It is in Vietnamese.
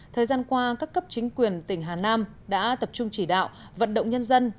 thời gian qua các cấp chính quyền tỉnh hà nam đã tập trung chỉ đạo vận động nhân dân